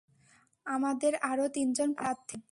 আমাদের আরও তিনজন প্রার্থী আছে।